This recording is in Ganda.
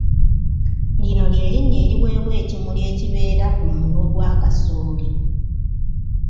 Lino ly’erinnya eriweebwa ekimuli ekibeera ku munwe gwa Kasooli